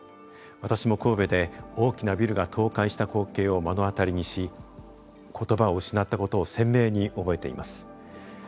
私も神戸で大きなビルが倒壊した光景を目の当たりにしことばを失ったことを鮮明に覚えています。